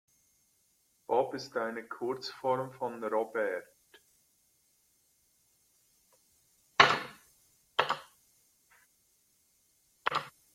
Bob ist eine Kurzform von Robert.